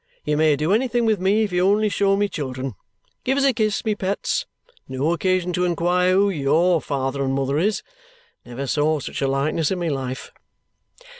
You may do anything with me if you only show me children. Give us a kiss, my pets. No occasion to inquire who YOUR father and mother is. Never saw such a likeness in my life!"